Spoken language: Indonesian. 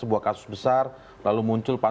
bukan itu dasar di dalam usulan